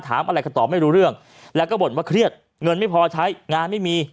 ถามอะไรก็ตอบไม่รู้เรื่องแล้วก็บ่นว่าเครียดเงินไม่พอใช้งานไม่มี